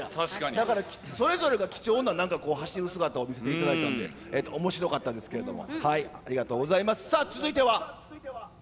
だからそれぞれが貴重な走ってる姿を見せていただいたので、おもしろかったですけれども。